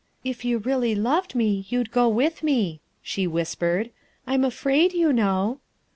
" If you really loved me, you'd go with me," she whispered. "I'm afraid, you know."